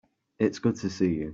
It's good to see you.